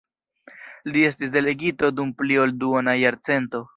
Li estis delegito dum pli ol duona jarcento.